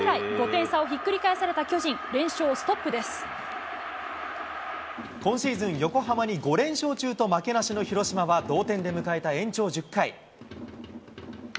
５点差をひっくり返された巨人、今シーズン、横浜に５連勝中と、負けなしの広島は同点で迎えた延長１０回。